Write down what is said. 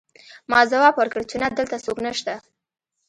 ما ځواب ورکړ چې نه دلته څوک نشته